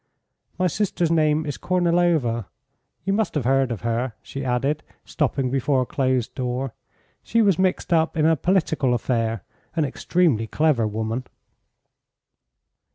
"My sister's name is Kornilova. You must have heard of her," she added, stopping before a closed door. "She was mixed up in a political affair. An extremely clever woman!"